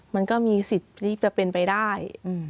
มันก็มีสิทธิ์ที่จะเป็นไปได้